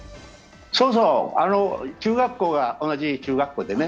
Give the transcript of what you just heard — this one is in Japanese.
そうそう、中学校が同じ中学校でね。